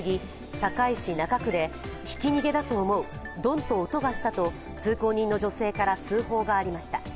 堺市中区でひき逃げだと思う、ドンと音がしたと通行人の女性から通報がありました。